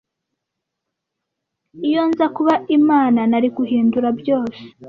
iyo nza kuba imana nari guhindura byose